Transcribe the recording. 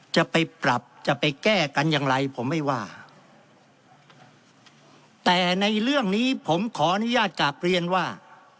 จะไปปรับจะไปแก้กันอย่างไรผมไม่ว่าแต่ในเรื่องนี้ผมขออนุญาตกลับเรียนว่า